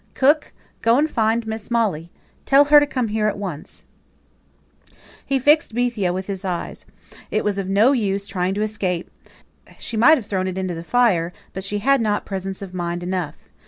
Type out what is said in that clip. "Cook, go and find Miss Molly. Tell her to come here at once." He fixed Bethia with his eyes. It was of no use trying to escape: she might have thrown it into the fire, but she had not presence of mind enough.